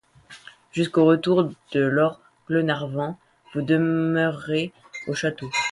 Jusqu’au retour de lord Glenarvan, vous demeurerez au château...